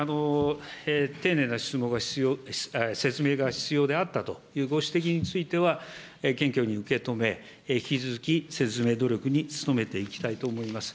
丁寧な説明が必要であったというご指摘については、謙虚に受け止め、引き続き説明努力に努めていきたいと思います。